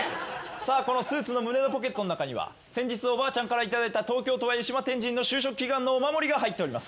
さあこのスーツの胸のポケットの中には先日おばあちゃんから頂いた東京都湯島天神の就職祈願のお守りが入っております。